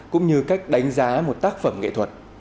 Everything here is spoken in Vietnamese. cũng như cách đánh giá một tác phẩm nghệ thuật